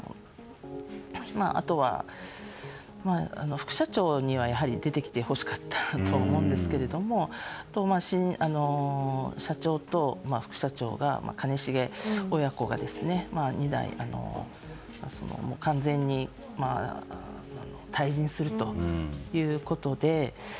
あとは、副社長にはやはり出てきてほしかったなと思うんですけど社長と副社長が兼重親子が２代、完全に退陣するということで。